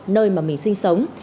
nơi mà mình sinh sống